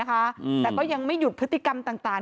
แต่ก็ยังไม่หยุดพฤติกรรมต่าง